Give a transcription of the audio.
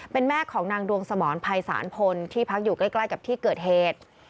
เป็นแม่ของนางดวงสมรภัยศาลพลที่พักอยู่ใกล้กับที่เกิดเหตุ